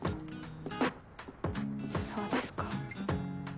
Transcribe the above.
そうですか。